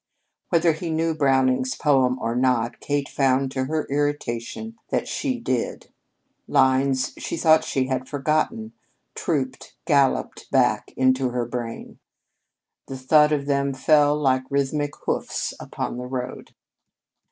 Whether he knew Browning's poem or not, Kate found to her irritation that she did. Lines she thought she had forgotten, trooped galloped back into her brain. The thud of them fell like rhythmic hoofs upon the road.